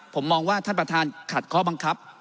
ผมมองว่าท่านประธานขัดข้อบังคับ